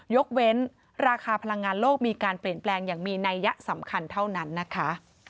ยกเว้นราคาพลังงานโลกมีการเปลี่ยนแปลงอย่างมีนัยยะสำคัญเท่านั้นนะคะ